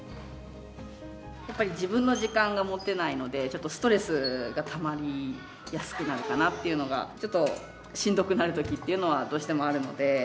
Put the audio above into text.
やっぱり自分の時間が持てないので、ちょっとストレスがたまりやすくなるかなっていうのが、ちょっとしんどくなるときっていうのは、どうしてもあるので。